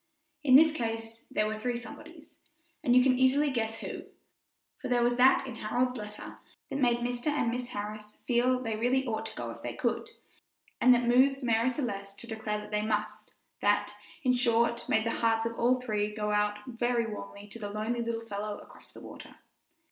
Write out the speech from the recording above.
In this case there were three somebodies, and you can easily guess who; for there was that in Harold's letter that had made Mr. and Mis. Harris feel they really ought to go if they could, and that moved Marie Celeste to declare that go they must; that, in short, made the hearts of all three go out very warmly to the lonely little fellow across the water.